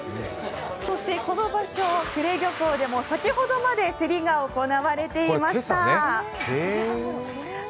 そしてこの場所、久礼漁港でも先ほどまで競りが行われていました。